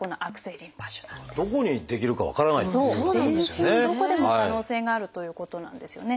全身どこでも可能性があるということなんですよね。